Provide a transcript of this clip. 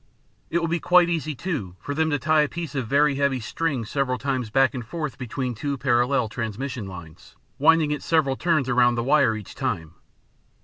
It will be quite easy, too, for them to tie a piece of very heavy string several times back and forth between two parallel transmission lines, winding it several turns around the wire each time.